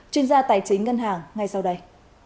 chuyên gia tài chính ngân hàng ngay sau đây